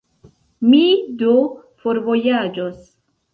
Mi do forvojaĝos.